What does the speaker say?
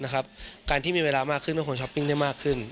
การที่มีเวลามากขึ้นเป็นคนช้อปปิ้งได้มากขึ้น